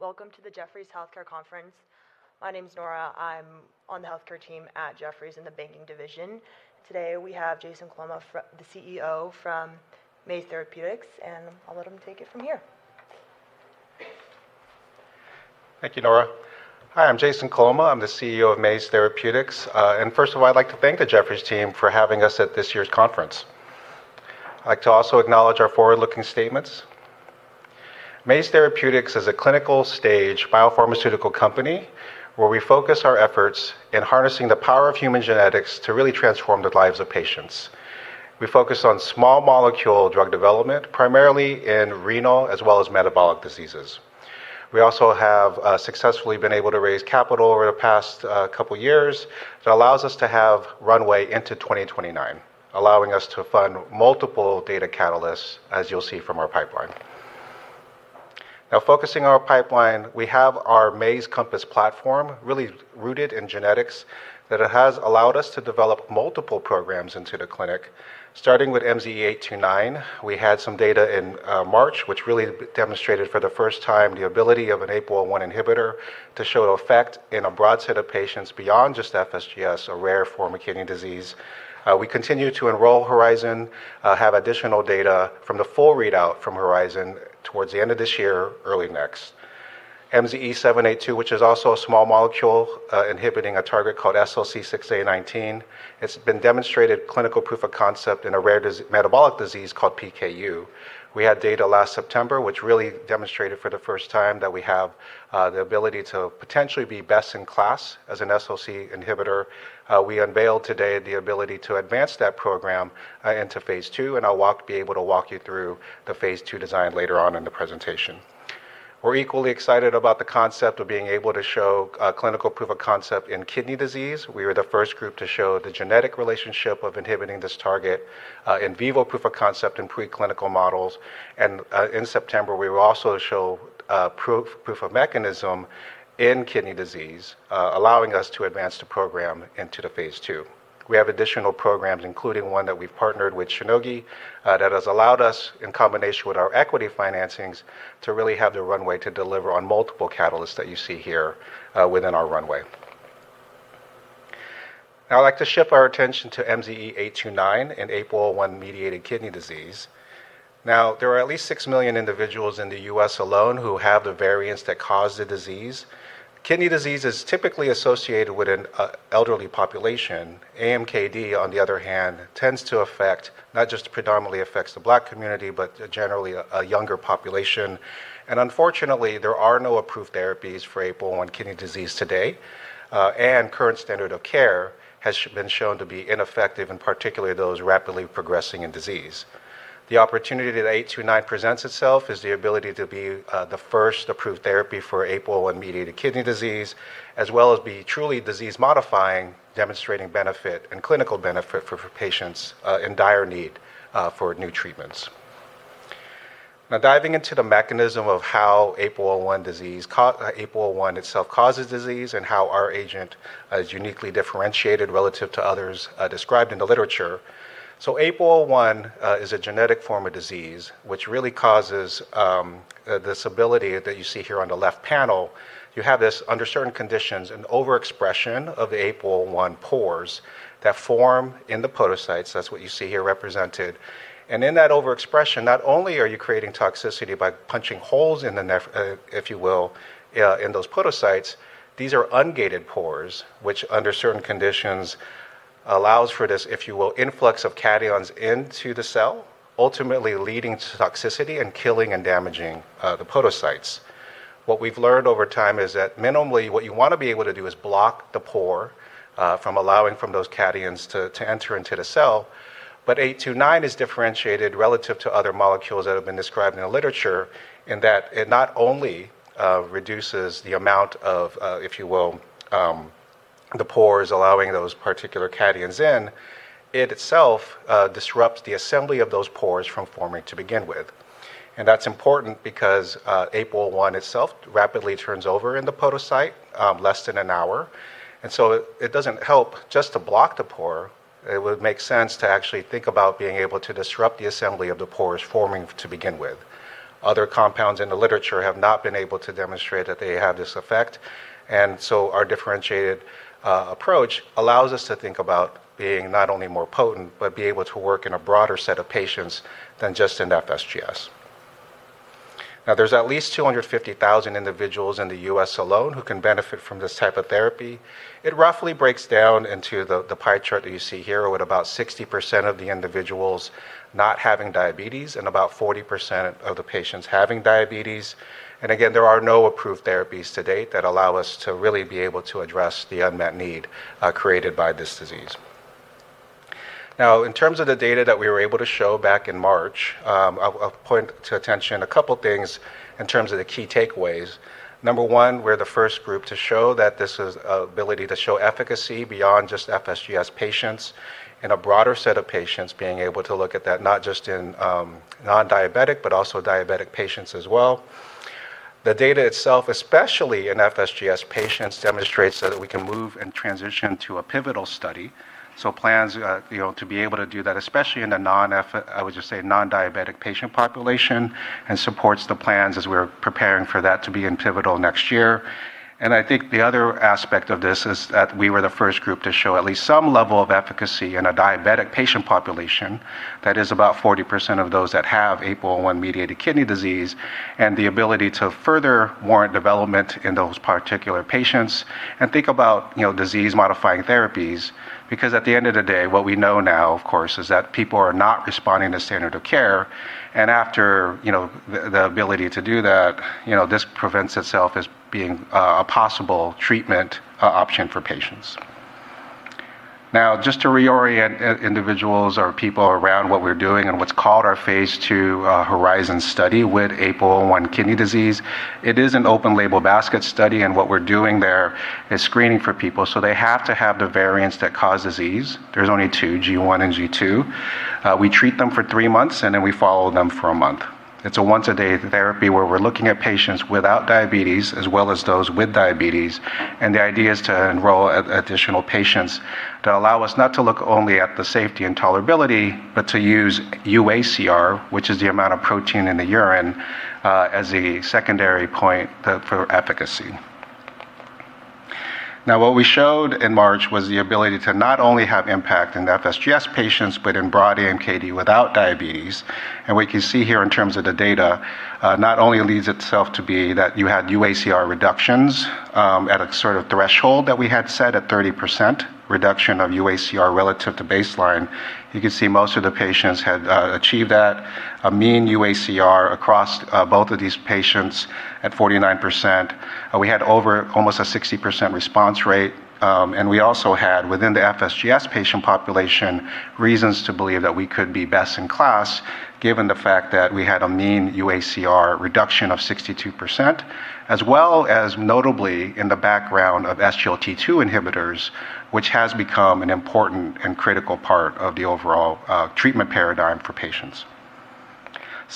Welcome to the Jefferies Healthcare Conference. My name's Nora. I'm on the healthcare team at Jefferies in the banking division. Today we have Jason Coloma, the CEO from Maze Therapeutics. I'll let him take it from here. Thank you, Nora. Hi, I'm Jason Coloma. I'm the CEO of Maze Therapeutics. First of all, I'd like to thank the Jefferies team for having us at this year's conference. I'd like to also acknowledge our forward-looking statements. Maze Therapeutics is a clinical-stage biopharmaceutical company where we focus our efforts in harnessing the power of human genetics to really transform the lives of patients. We focus on small molecule drug development, primarily in renal as well as metabolic diseases. We also have successfully been able to raise capital over the past couple years that allows us to have runway into 2029, allowing us to fund multiple data catalysts, as you'll see from our pipeline. Focusing on our pipeline, we have our Maze Compass platform, really rooted in genetics, that has allowed us to develop multiple programs into the clinic, starting with MZE829. We had some data in March, which really demonstrated for the first time the ability of an APOL1 inhibitor to show effect in a broad set of patients beyond just FSGS, a rare form of kidney disease. We continue to enroll HORIZON, have additional data from the full readout from HORIZON towards the end of this year, early next. MZE782, which is also a small molecule inhibiting a target called SLC6A19. It's been demonstrated clinical proof of concept in a rare metabolic disease called PKU. We had data last September, which really demonstrated for the first time that we have the ability to potentially be best in class as an SLC inhibitor. We unveiled today the ability to advance that program into phase II. I'll be able to walk you through the phase II design later on in the presentation. We're equally excited about the concept of being able to show clinical proof of concept in kidney disease. We are the first group to show the genetic relationship of inhibiting this target, in vivo proof of concept in pre-clinical models. In September, we will also show proof of mechanism in kidney disease, allowing us to advance the program into the phase II. We have additional programs, including one that we've partnered with Shionogi, that has allowed us, in combination with our equity financings, to really have the runway to deliver on multiple catalysts that you see here within our runway. Now I'd like to shift our attention to MZE829 and APOL1-mediated kidney disease. Now, there are at least six million individuals in the U.S. alone who have the variants that cause the disease. Kidney disease is typically associated with an elderly population. AMKD, on the other hand, tends to affect, not just predominantly affects the Black community, but generally a younger population. Unfortunately, there are no approved therapies for APOL1 kidney disease today. Current standard of care has been shown to be ineffective in particularly those rapidly progressing in disease. The opportunity that 0829 presents itself is the ability to be the first approved therapy for APOL1-mediated kidney disease, as well as be truly disease-modifying, demonstrating benefit and clinical benefit for patients in dire need for new treatments. Now, diving into the mechanism of how APOL1 itself causes disease and how our agent is uniquely differentiated relative to others described in the literature. APOL1 is a genetic form of disease, which really causes this ability that you see here on the left panel. You have this under certain conditions, an overexpression of APOL1 pores that form in the podocytes. That's what you see here represented. In that overexpression, not only are you creating toxicity by punching holes in, if you will, in those podocytes, these are ungated pores, which under certain conditions allows for this, if you will, influx of cations into the cell, ultimately leading to toxicity and killing and damaging the podocytes. What we've learned over time is that minimally what you want to be able to do is block the pore from allowing from those cations to enter into the cell. MZE829 is differentiated relative to other molecules that have been described in the literature in that it not only reduces the amount of, if you will, the pores allowing those particular cations in, it itself disrupts the assembly of those pores from forming to begin with. That's important because APOL1 itself rapidly turns over in the podocyte, less than one hour, and so it doesn't help just to block the pore. It would make sense to actually think about being able to disrupt the assembly of the pores forming to begin with. Other compounds in the literature have not been able to demonstrate that they have this effect. Our differentiated approach allows us to think about being not only more potent, but be able to work in a broader set of patients than just in FSGS. Now, there's at least 250,000 individuals in the U.S. alone who can benefit from this type of therapy. It roughly breaks down into the pie chart that you see here, with about 60% of the individuals not having diabetes and about 40% of the patients having diabetes. Again, there are no approved therapies to date that allow us to really be able to address the unmet need created by this disease. In terms of the data that we were able to show back in March, I'll point to attention a couple things in terms of the key takeaways. Number one, we're the first group to show that this is ability to show efficacy beyond just FSGS patients and a broader set of patients being able to look at that, not just in non-diabetic, but also diabetic patients as well. The data itself, especially in FSGS patients, demonstrates that we can move and transition to a pivotal study. Plans to be able to do that, especially in the non-diabetic patient population, and supports the plans as we're preparing for that to be in pivotal next year. I think the other aspect of this is that we were the first group to show at least some level of efficacy in a diabetic patient population. That is about 40% of those that have APOL1-mediated kidney disease, and the ability to further warrant development in those particular patients, and think about disease-modifying therapies. At the end of the day, what we know now, of course, is that people are not responding to standard of care. After the ability to do that, this presents itself as being a possible treatment option for patients. Now, just to reorient individuals or people around what we're doing and what's called our phase II HORIZON study with APOL1 kidney disease. It is an open-label basket study, and what we're doing there is screening for people, so they have to have the variants that cause disease. There's only two, G1 and G2. We treat them for three months, and then we follow them for a month. It's a once-a-day therapy where we're looking at patients without diabetes as well as those with diabetes, and the idea is to enroll additional patients to allow us not to look only at the safety and tolerability, but to use UACR, which is the amount of protein in the urine, as a secondary point for efficacy. Now, what we showed in March was the ability to not only have impact in FSGS patients but in broad AMKD without diabetes. We can see here in terms of the data, not only leads itself to be that you had UACR reductions at a threshold that we had set at 30% reduction of UACR relative to baseline. You can see most of the patients had achieved that. A mean UACR across both of these patients at 49%. We had over almost a 60% response rate. We also had, within the FSGS patient population, reasons to believe that we could be best in class given the fact that we had a mean UACR reduction of 62%, as well as notably in the background of SGLT2 inhibitors, which has become an important and critical part of the overall treatment paradigm for patients.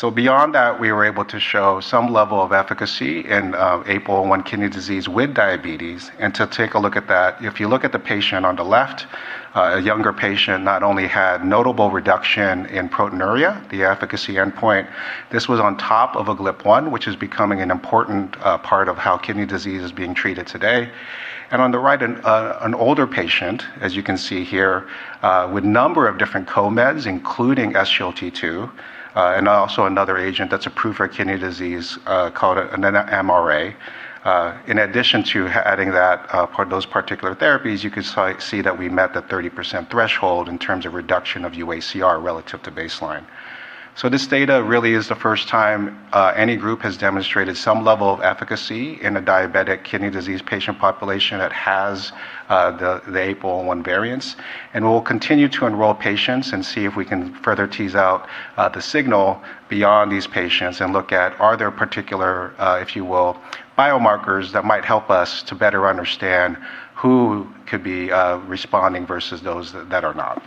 Beyond that, we were able to show some level of efficacy in APOL1 kidney disease with diabetes. To take a look at that, if you look at the patient on the left, a younger patient not only had notable reduction in proteinuria, the efficacy endpoint. This was on top of a GLP-1, which is becoming an important part of how kidney disease is being treated today. On the right, an older patient, as you can see here, with a number of different co-meds, including SGLT2, and also another agent that's approved for kidney disease, called an MRA. In addition to adding those particular therapies, you could see that we met the 30% threshold in terms of reduction of UACR relative to baseline. This data really is the first time any group has demonstrated some level of efficacy in a diabetic kidney disease patient population that has the APOL1 variants. We'll continue to enroll patients and see if we can further tease out the signal beyond these patients and look at, are there particular, if you will, biomarkers that might help us to better understand who could be responding versus those that are not.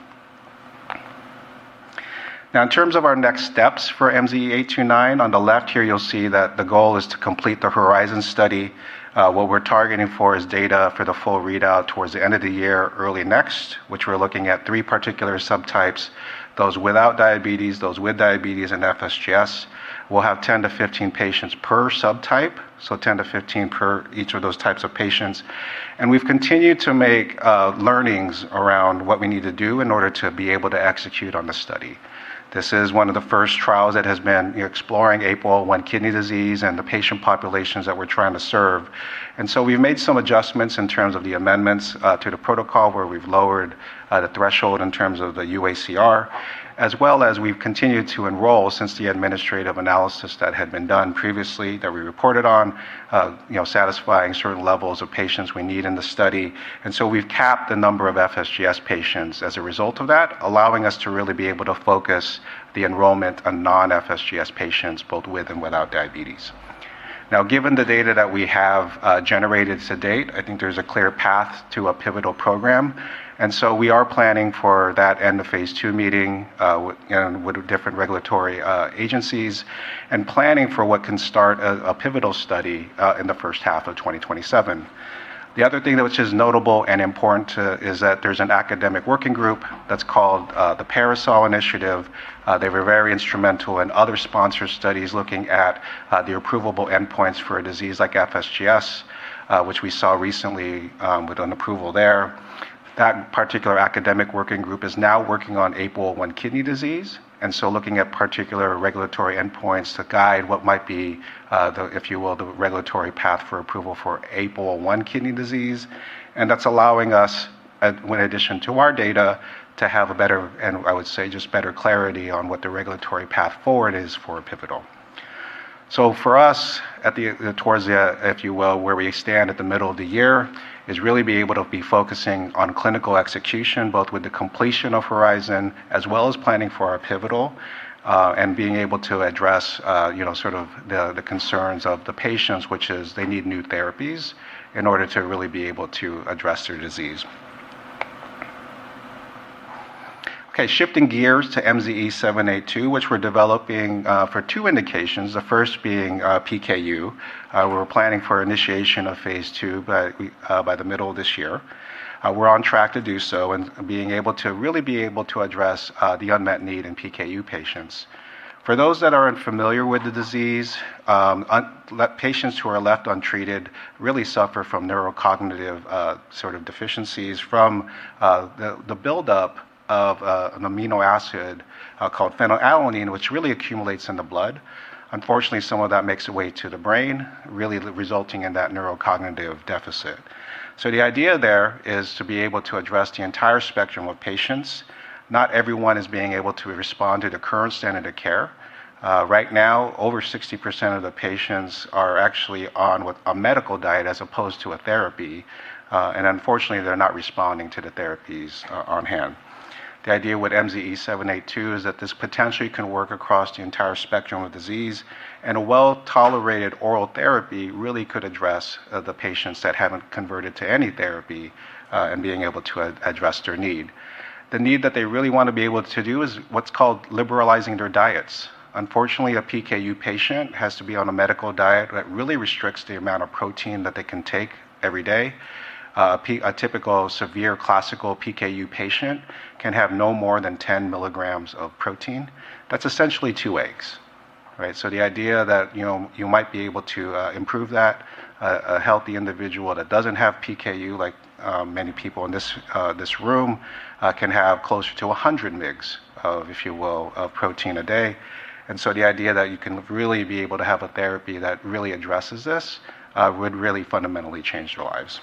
Now, in terms of our next steps for MZE829, on the left here, you'll see that the goal is to complete the HORIZON study. What we're targeting for is data for the full readout towards the end of the year, early next, which we're looking at three particular subtypes, those without diabetes, those with diabetes, and FSGS. We'll have 10-15 patients per subtype, so 10-15 per each of those types of patients. We've continued to make learnings around what we need to do in order to be able to execute on the study. This is one of the first trials that has been exploring APOL1 kidney disease and the patient populations that we're trying to serve. We've made some adjustments in terms of the amendments to the protocol, where we've lowered the threshold in terms of the UACR, as well as we've continued to enroll since the administrative analysis that had been done previously that we reported on, satisfying certain levels of patients we need in the study. We've capped the number of FSGS patients as a result of that, allowing us to really be able to focus the enrollment on non-FSGS patients, both with and without diabetes. Given the data that we have generated to date, I think there's a clear path to a pivotal program, and so we are planning for that and the phase II meeting with different regulatory agencies and planning for what can start a pivotal study in the first half of 2027. The other thing which is notable and important too is that there's an academic working group that's called the PARASOL Initiative. They were very instrumental in other sponsor studies looking at the approvable endpoints for a disease like FSGS, which we saw recently with an approval there. That particular academic working group is now working on APOL1 kidney disease, looking at particular regulatory endpoints to guide what might be, if you will, the regulatory path for approval for APOL1 kidney disease. That's allowing us, in addition to our data, to have a better, and I would say just better clarity on what the regulatory path forward is for pivotal. For us, towards the, if you will, where we stand at the middle of the year, is really being able to be focusing on clinical execution, both with the completion of HORIZON, as well as planning for our pivotal, and being able to address the concerns of the patients, which is they need new therapies in order to really be able to address their disease. Okay, shifting gears to MZE782, which we're developing for two indications, the first being PKU. We're planning for initiation of phase II by the middle of this year. We're on track to do so and being able to really address the unmet need in PKU patients. For those that aren't familiar with the disease, patients who are left untreated really suffer from neurocognitive deficiencies from the build-up of an amino acid called phenylalanine, which really accumulates in the blood. Unfortunately, some of that makes their way to the brain, really resulting in that neurocognitive deficit. The idea there is to be able to address the entire spectrum of patients. Not everyone is being able to respond to the current standard of care. Right now, over 60% of the patients are actually on a medical diet as opposed to a therapy. Unfortunately, they're not responding to the therapies on hand. The idea with MZE782 is that this potentially can work across the entire spectrum of disease, and a well-tolerated oral therapy really could address the patients that haven't converted to any therapy, and being able to address their need. The need that they really want to be able to do is what's called liberalizing their diets. Unfortunately, a PKU patient has to be on a medical diet that really restricts the amount of protein that they can take every day. A typical severe classical PKU patient can have no more than 10 mg of protein. That's essentially two eggs. The idea that you might be able to improve that. A healthy individual that doesn't have PKU, like many people in this room, can have closer to 100 mgs of, if you will, of protein a day. The idea that you can really be able to have a therapy that really addresses this would really fundamentally change their lives.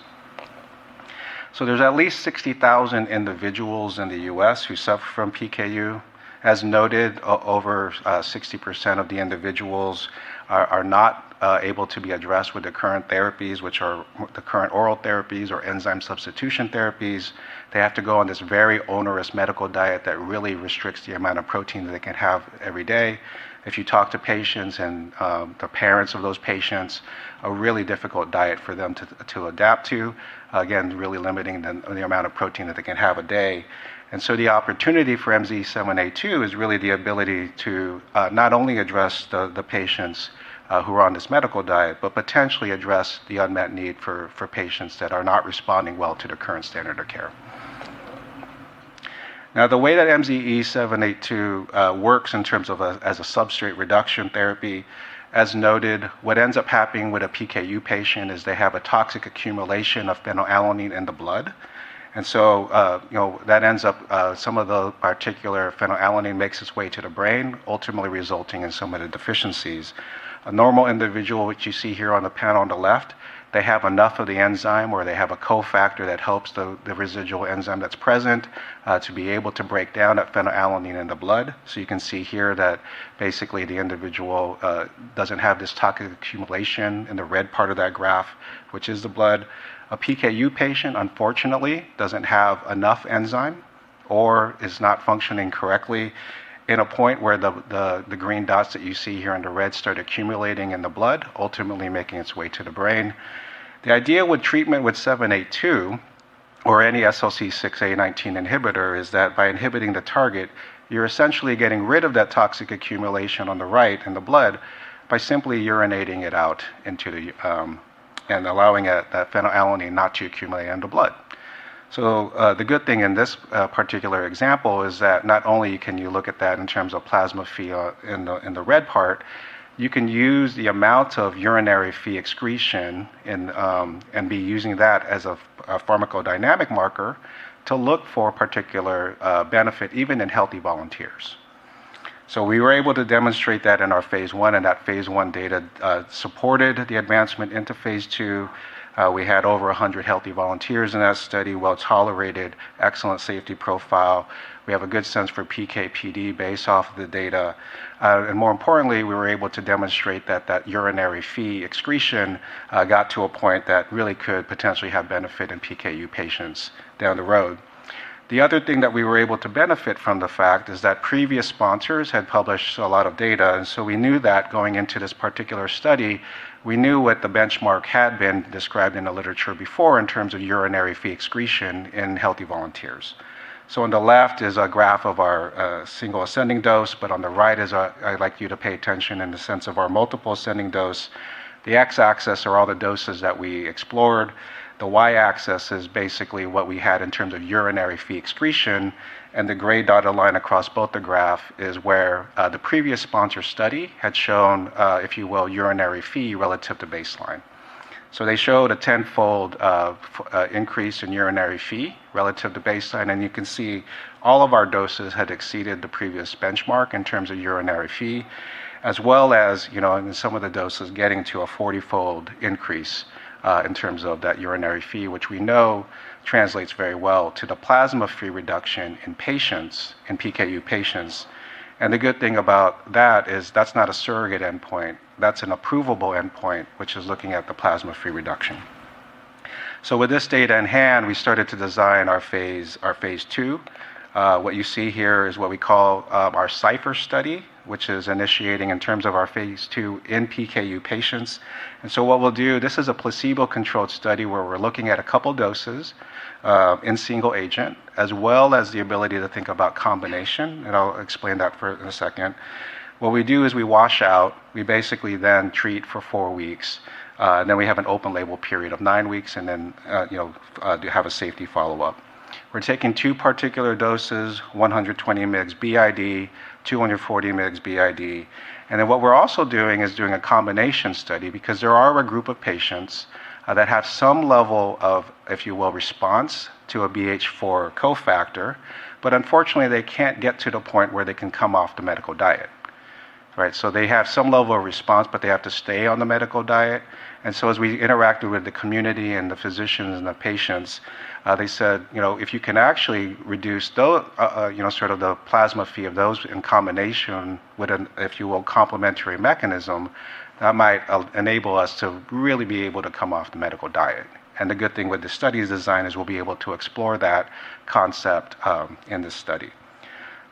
There's at least 60,000 individuals in the U.S. who suffer from PKU. As noted, over 60% of the individuals are not able to be addressed with the current therapies, which are the current oral therapies or enzyme substitution therapies. They have to go on this very onerous medical diet that really restricts the amount of protein that they can have every day. If you talk to patients and the parents of those patients, a really difficult diet for them to adapt to. Again, really limiting the amount of protein that they can have a day. The opportunity for MZE782 is really the ability to not only address the patients who are on this medical diet, but potentially address the unmet need for patients that are not responding well to the current standard of care. The way that MZE782 works in terms of as a substrate reduction therapy, as noted, what ends up happening with a PKU patient is they have a toxic accumulation of phenylalanine in the blood. Some of the particular phenylalanine makes its way to the brain, ultimately resulting in some of the deficiencies. A normal individual, which you see here on the panel on the left, they have enough of the enzyme, or they have a cofactor that helps the residual enzyme that's present to be able to break down that phenylalanine in the blood. You can see here that basically the individual doesn't have this toxic accumulation in the red part of that graph, which is the blood. A PKU patient, unfortunately, doesn't have enough enzyme or is not functioning correctly in a point where the green dots that you see here and the red start accumulating in the blood, ultimately making its way to the brain. The idea with treatment with MZE782 or any SLC6A19 inhibitor is that by inhibiting the target, you're essentially getting rid of that toxic accumulation on the right in the blood by simply urinating it out and allowing that phenylalanine not to accumulate in the blood. The good thing in this particular example is that not only can you look at that in terms of plasma Phe in the red part, you can use the amount of urinary Phe excretion and be using that as a pharmacodynamic marker to look for particular benefit even in healthy volunteers. We were able to demonstrate that in our phase I, and that phase I data supported the advancement into phase II. We had over 100 healthy volunteers in that study, well-tolerated, excellent safety profile. We have a good sense for PK/PD based off the data. More importantly, we were able to demonstrate that urinary Phe excretion got to a point that really could potentially have benefit in PKU patients down the road. The other thing that we were able to benefit from the fact is that previous sponsors had published a lot of data, and so we knew that going into this particular study. We knew what the benchmark had been described in the literature before in terms of urinary Phe excretion in healthy volunteers. On the left is a graph of our single ascending dose, but on the right is, I'd like you to pay attention in the sense of our multiple ascending dose. The x-axis are all the doses that we explored. The y-axis is basically what we had in terms of urinary Phe excretion. The gray dotted line across both the graph is where the previous sponsor study had shown, if you will, urinary Phe relative to baseline. They showed a 10-fold increase in urinary Phe relative to baseline, and you can see all of our doses had exceeded the previous benchmark in terms of urinary Phe, as well as in some of the doses, getting to a 40-fold increase in terms of that urinary Phe, which we know translates very well to the plasma Phe reduction in patients, in PKU patients. The good thing about that is that's not a surrogate endpoint. That's an approvable endpoint, which is looking at the plasma Phe reduction. With this data in hand, we started to design our phase II. What you see here is what we call our CIPHER study, which is initiating in terms of our phase II in PKU patients. What we'll do, this is a placebo-controlled study where we're looking at a couple doses. In single agent, as well as the ability to think about combination, and I'll explain that in a second. What we do is we wash out, we basically then treat for four weeks, and then we have an open label period of nine weeks, and then have a safety follow-up. We're taking two particular doses, 120 mg BID, 240 mg BID. What we're also doing is doing a combination study, because there are a group of patients that have some level of, if you will, response to a BH4 cofactor, but unfortunately, they can't get to the point where they can come off the medical diet. They have some level of response, but they have to stay on the medical diet. As we interacted with the community and the physicians and the patients, they said, "If you can actually reduce the plasma Phe of those in combination with a, if you will, complementary mechanism, that might enable us to really be able to come off the medical diet." The good thing with this study's design is we'll be able to explore that concept in this study.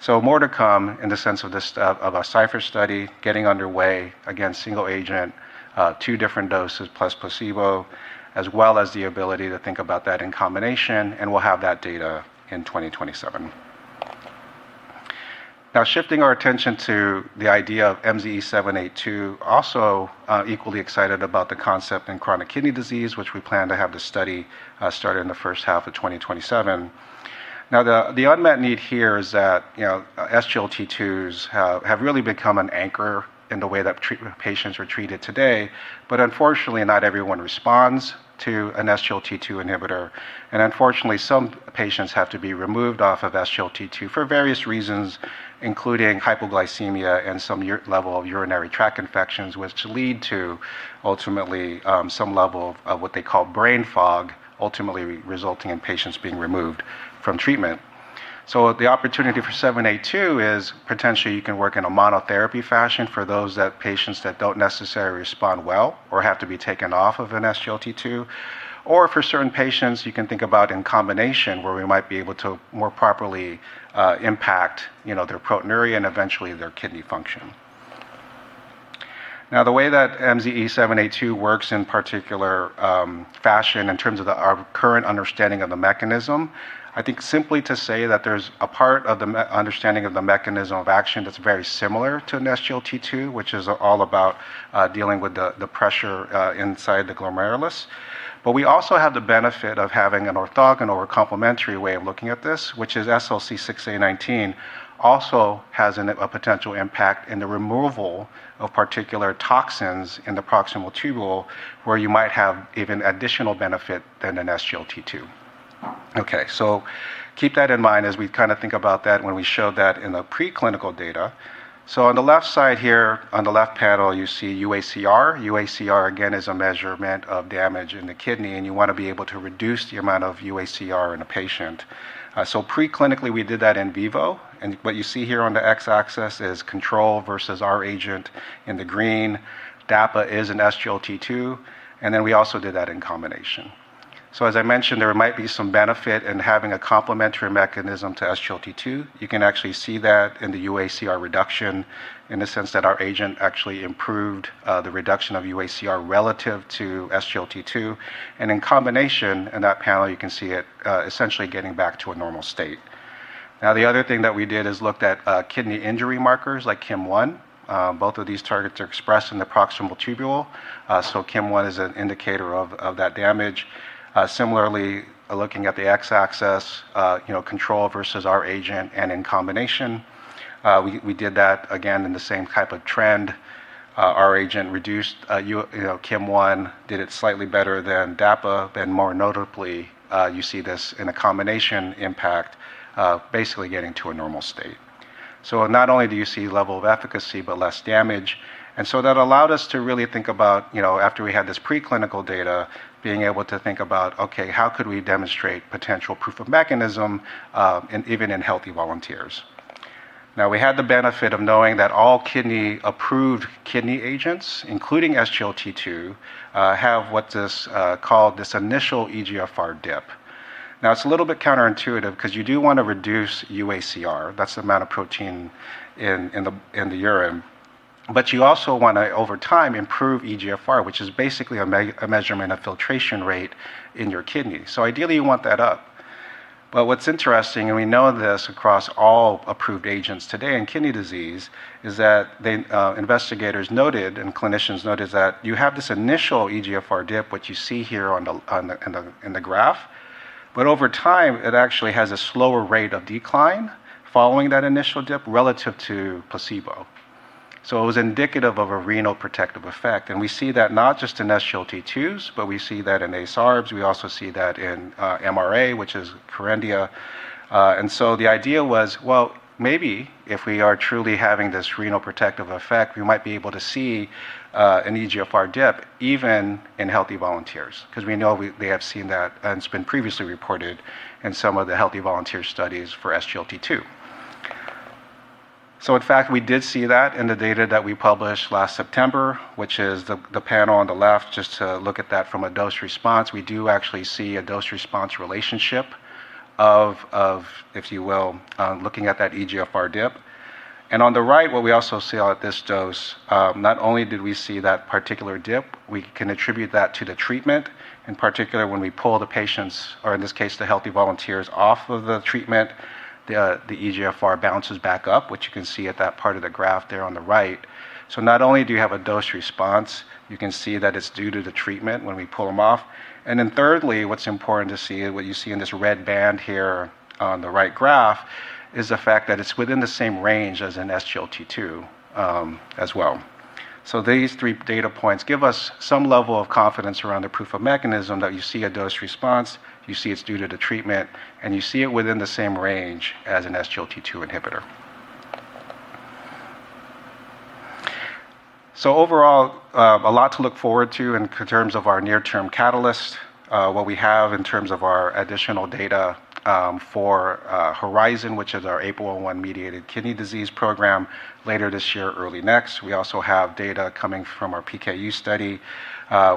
More to come in the sense of a CIPHER study getting underway. Again, single agent, two different doses plus placebo, as well as the ability to think about that in combination, and we'll have that data in 2027. Shifting our attention to the idea of MZE782, also equally excited about the concept in chronic kidney disease, which we plan to have the study started in the first half of 2027. The unmet need here is that SGLT2s have really become an anchor in the way that patients are treated today. Unfortunately, not everyone responds to an SGLT2 inhibitor. Unfortunately, some patients have to be removed off of SGLT2 for various reasons, including hypoglycemia and some level of urinary tract infections, which lead to, ultimately, some level of what they call brain fog, ultimately resulting in patients being removed from treatment. The opportunity for 782 is potentially you can work in a monotherapy fashion for those patients that don't necessarily respond well or have to be taken off of an SGLT2, or for certain patients, you can think about in combination where we might be able to more properly impact their proteinuria and eventually their kidney function. The way that MZE782 works in particular fashion in terms of our current understanding of the mechanism, I think simply to say that there's a part of the understanding of the mechanism of action that's very similar to an SGLT2, which is all about dealing with the pressure inside the glomerulus. We also have the benefit of having an orthogonal or complementary way of looking at this, which is SLC6A19 also has a potential impact in the removal of particular toxins in the proximal tubule, where you might have even additional benefit than an SGLT2. Keep that in mind as we think about that when we show that in the preclinical data. On the left side here, on the left panel, you see UACR. UACR, again, is a measurement of damage in the kidney, and you want to be able to reduce the amount of UACR in a patient. Preclinically, we did that in vivo, and what you see here on the X-axis is control versus our agent in the green. DAPA is an SGLT2. We also did that in combination. As I mentioned, there might be some benefit in having a complementary mechanism to SGLT2. You can actually see that in the UACR reduction in the sense that our agent actually improved the reduction of UACR relative to SGLT2. In combination, in that panel, you can see it essentially getting back to a normal state. The other thing that we did is looked at kidney injury markers like KIM-1. Both of these targets are expressed in the proximal tubule. KIM-1 is an indicator of that damage. Similarly, looking at the X-axis, control versus our agent and in combination. We did that again in the same type of trend. Our agent reduced KIM-1, did it slightly better than DAPA, then more notably, you see this in a combination impact, basically getting to a normal state. Not only do you see level of efficacy, but less damage. That allowed us to really think about, after we had this preclinical data, being able to think about, okay, how could we demonstrate potential proof of mechanism even in healthy volunteers? We had the benefit of knowing that all kidney-approved kidney agents, including SGLT2, have what is called this initial eGFR dip. It's a little bit counterintuitive because you do want to reduce UACR. That's the amount of protein in the urine. You also want to, over time, improve eGFR, which is basically a measurement of filtration rate in your kidney. Ideally, you want that up. What's interesting, and we know this across all approved agents today in kidney disease, is that the investigators noted, and clinicians noted, that you have this initial eGFR dip, which you see here in the graph. Over time, it actually has a slower rate of decline following that initial dip relative to placebo. It was indicative of a renal protective effect, and we see that not just in SGLT2s, but we see that in ACE-ARBs. We also see that in MRA, which is Kerendia. The idea was, well, maybe if we are truly having this renal protective effect, we might be able to see an eGFR dip even in healthy volunteers, because we know they have seen that and it's been previously reported in some of the healthy volunteer studies for SGLT2. In fact, we did see that in the data that we published last September, which is the panel on the left. Just to look at that from a dose response, we do actually see a dose response relationship, if you will, looking at that eGFR dip. On the right, what we also see at this dose, not only did we see that particular dip, we can attribute that to the treatment. In particular, when we pull the patients, or in this case, the healthy volunteers, off of the treatment, the eGFR bounces back up, which you can see at that part of the graph there on the right. Not only do you have a dose response, you can see that it's due to the treatment when we pull them off. Thirdly, what's important to see, what you see in this red band here on the right graph, is the fact that it's within the same range as an SGLT2 as well. These three data points give us some level of confidence around the proof of mechanism that you see a dose response, you see it's due to the treatment, and you see it within the same range as an SGLT2 inhibitor. Overall, a lot to look forward to in terms of our near-term catalyst, what we have in terms of our additional data for HORIZON, which is our APOL1-mediated kidney disease program later this year or early next. We also have data coming from our PKU study.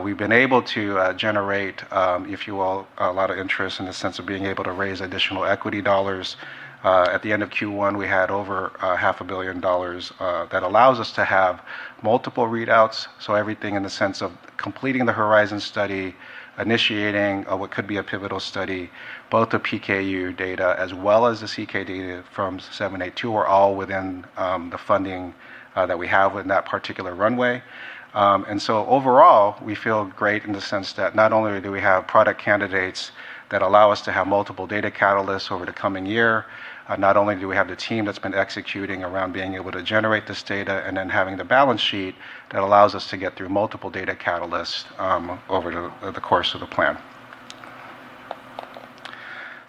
We've been able to generate, if you will, a lot of interest in the sense of being able to raise additional equity dollars. At the end of Q1, we had over $0.5 billion. That allows us to have multiple readouts, everything in the sense of completing the HORIZON study, initiating what could be a pivotal study, both the PKU data as well as the CKD data from 782 are all within the funding that we have within that particular runway. Overall, we feel great in the sense that not only do we have product candidates that allow us to have multiple data catalysts over the coming year, not only do we have the team that's been executing around being able to generate this data, and then having the balance sheet that allows us to get through multiple data catalysts over the course of the plan.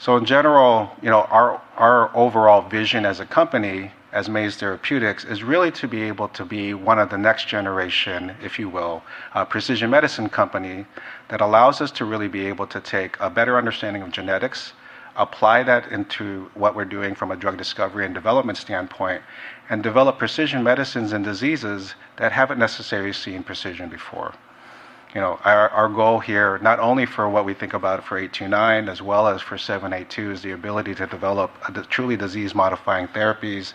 In general, our overall vision as a company, as Maze Therapeutics, is really to be able to be one of the next generation, if you will, precision medicine company that allows us to really be able to take a better understanding of genetics, apply that into what we're doing from a drug discovery and development standpoint, and develop precision medicines and diseases that haven't necessarily seen precision before. Our goal here, not only for what we think about for 829 as well as for 782, is the ability to develop truly disease-modifying therapies.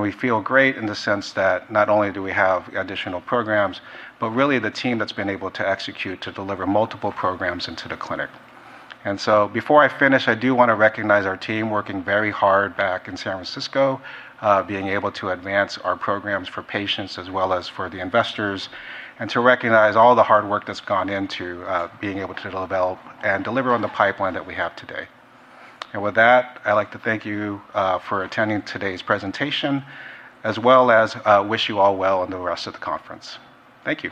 We feel great in the sense that not only do we have additional programs, but really the team that's been able to execute to deliver multiple programs into the clinic. Before I finish, I do want to recognize our team working very hard back in San Francisco, being able to advance our programs for patients as well as for the investors, and to recognize all the hard work that's gone into being able to develop and deliver on the pipeline that we have today. With that, I'd like to thank you for attending today's presentation, as well as wish you all well in the rest of the conference. Thank you.